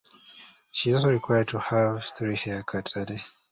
She is also required to have three haircuts a day.